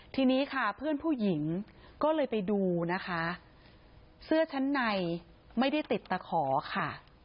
ทีนี้ค่ะเพื่อนผู้หญิงก็เลยไปดูนะคะเสื้อชั้นในไม่ได้ติดตะขอค่ะ